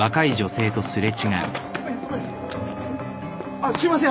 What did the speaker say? あっすいません